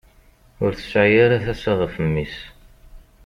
Ur tesɛi ara tasa ɣef mmi-s.